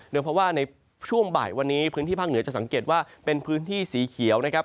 เพราะว่าในช่วงบ่ายวันนี้พื้นที่ภาคเหนือจะสังเกตว่าเป็นพื้นที่สีเขียวนะครับ